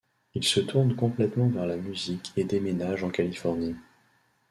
Il se tourne complètement vers la musique et déménage en Californie.